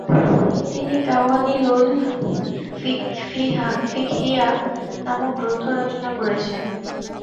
তিনি কাওয়ানিনুল ফিকহিয়া নামক গ্রন্থ রচনা করেছেন।